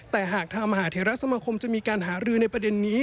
แต่หากทางมหาเทราสมคมจะมีการหารือในประเด็นนี้